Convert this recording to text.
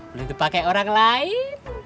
belum dipake orang lain